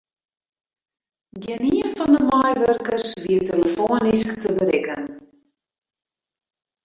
Gjinien fan de meiwurkers wie telefoanysk te berikken.